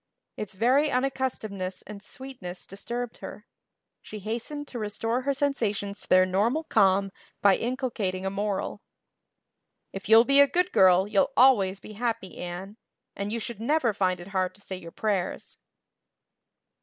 Its very unaccustomedness and sweetness disturbed her. She hastened to restore her sensations to their normal calm by inculcating a moral. "If you'll be a good girl you'll always be happy, Anne. And you should never find it hard to say your prayers."